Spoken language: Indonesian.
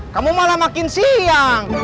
kamu malah makin siang